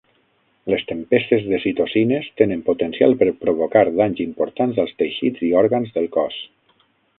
Les tempestes de citocines tenen potencial per provocar danys importants als teixits i òrgans del cos.